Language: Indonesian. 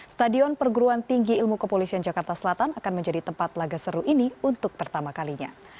stadion perguruan tinggi ilmu kepolisian jakarta selatan akan menjadi tempat laga seru ini untuk pertama kalinya